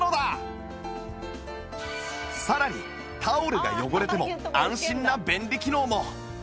さらにタオルが汚れても安心な便利機能も！